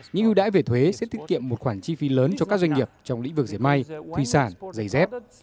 những hưu đãi về thuế sẽ tiết kiệm một khoản chi phí lớn cho các doanh nghiệp trong lĩnh vực giải may thùy sản giấy dép